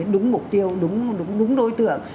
đúng mục tiêu đúng đối tượng